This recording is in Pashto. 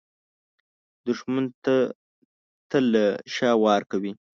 دښمن تل له شا وار کوي